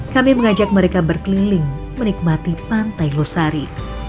kami mengajak mereka berkeliling menikmati pantai losari